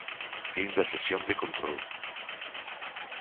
Fin da sesión de control.